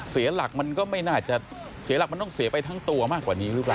เสียหลักมันก็ไม่น่าจะเสียหลักมันต้องเสียไปทั้งตัวมากกว่านี้หรือเปล่า